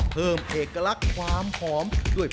เพิ่มเอกลักษณ์ความหอมด้วย